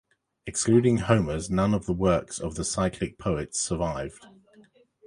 Excluding Homer's, none of the works of the cyclic poets survive.